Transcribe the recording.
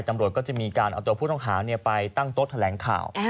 ตำรวจก็จะมีการเอาตัวผู้ต้องหาไปตั้งโต๊ะแถลงข่าว